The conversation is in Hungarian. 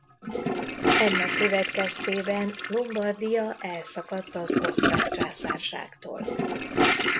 Ennek következtében Lombardia elszakadt az Osztrák Császárságtól.